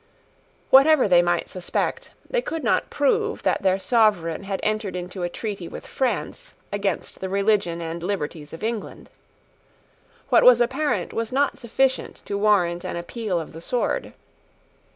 Whatever they might suspect, they could not prove that their sovereign had entered into a treaty with France against the religion and liberties of England. What was apparent was not sufficient to warrant an appeal to the sword.